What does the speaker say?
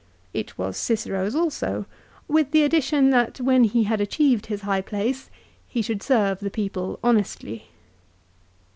It was Cicero's also, with the addi tion that when he had achieved his high place he should serve the people honestly.